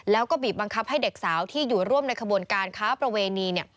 แล้วก็บีบบังคับให้เด็กสาวที่อยู่ร่วมในขบวนการค้าประเวณีเนี่ย